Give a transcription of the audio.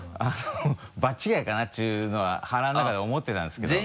場違いかな？っていうのは腹の中では思ってたんですけど。